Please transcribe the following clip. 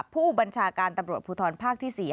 ผู้บัญชาการตำรวจภูทรภาคที่๔